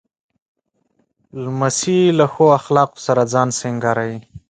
لمسی له ښو اخلاقو سره ځان سینګاروي.